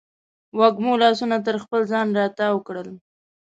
وږمو لاسونه تر خپل ځان راتاو کړل